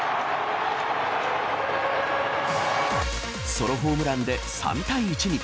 ソロホームランで３対１に。